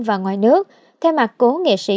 và ngoài nước theo mặt cố nghệ sĩ